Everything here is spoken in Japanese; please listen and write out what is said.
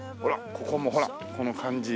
ここもほらこの感じ。